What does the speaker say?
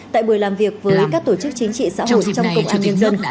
tại buổi làm việc với các tổ chức chính trị xã hội trong công chúng nhân dân